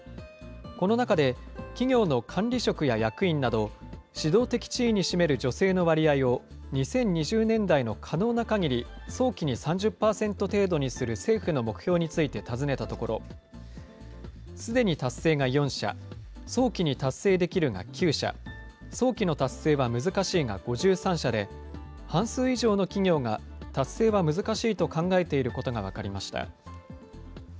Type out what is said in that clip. この中で企業の管理職や役員など、指導的地位に占める女性の割合を、２０２０年代の可能なかぎり早期に３０％程度にする政府の目標について尋ねたところ、すでに達成が４社、早期に達成できるが９社、早期の達成は難しいが５３社で、半数以上の企業が、達成は難しいと考えていることが分かりました。